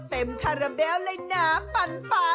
เต็มคาราเบลเลยนะปัน